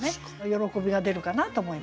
喜びが出るかなと思いますね。